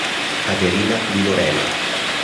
Caterina di Lorena